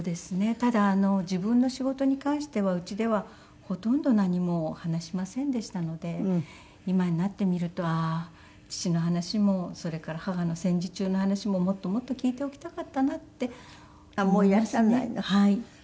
ただ自分の仕事に関してはうちではほとんど何も話しませんでしたので今になってみるとああ父の話もそれから母の戦時中の話ももっともっと聞いておきたかったなって思いますね。